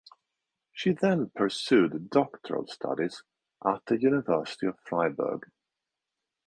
She then pursued doctoral studies at the University of Freiburg.